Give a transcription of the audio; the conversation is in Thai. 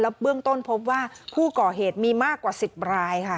เบื้องต้นพบว่าผู้ก่อเหตุมีมากกว่า๑๐รายค่ะ